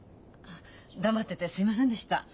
黙っててすみませんでした。